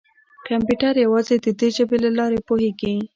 کمپیوټر یوازې د دې ژبې له لارې پوهېږي.